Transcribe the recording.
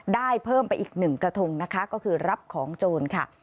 ได้เพิ่มไปอีกหนึ่งกระทงนะคะก็คือรับของโจรค่ะ